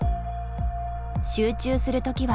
集中する時は外側。